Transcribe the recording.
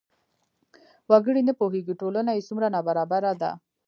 وګړي نه پوهېږي ټولنه یې څومره نابرابره ده.